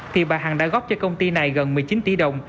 thì bà hằng đã góp cho công ty này gần một mươi chín tỷ đồng